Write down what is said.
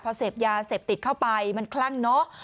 พอเสพยาเสพติดเข้าไปมันคลั่งเนอะ